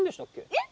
えっ？